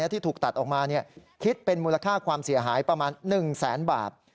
ที่ถูกตัดออกมาคิดเป็นมูลค่าความเสียหายประมาณ๑แสนบาท